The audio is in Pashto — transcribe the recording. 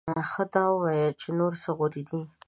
ښه دا ووایه چې نورې څه غورې دې؟